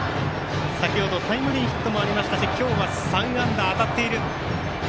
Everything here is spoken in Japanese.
先ほどタイムリーヒットもありましたし今日は３安打、当たっている。